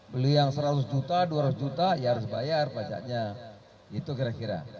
beli yang seratus juta dua ratus juta